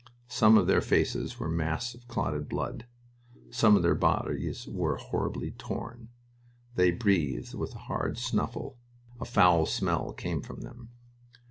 Some of their faces were masks of clotted blood. Some of their bodies were horribly torn. They breathed with a hard snuffle. A foul smell came from them.